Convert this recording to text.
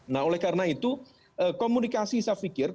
nah oleh karena itu komunikasi saya pikir